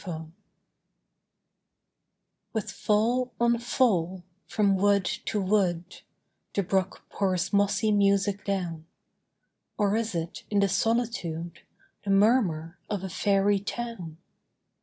GLAMOUR With fall on fall, from wood to wood, The brook pours mossy music down Or is it, in the solitude, The murmur of a Faery town?